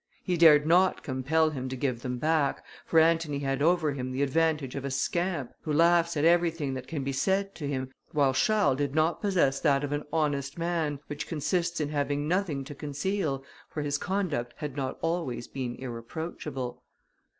He dared not compel him to give them back, for Antony had over him the advantage of a scamp, who laughs at everything that can be said to him, while Charles did not possess that of an honest man, which consists in having nothing to conceal, for his conduct had not always been irreproachable.